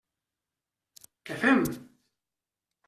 Què fem?